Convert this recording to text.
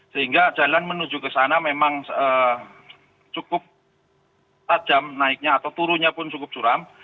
sehingga jalan menuju ke sana memang cukup tajam naiknya atau turunnya pun cukup curam